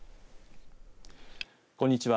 こんにちは。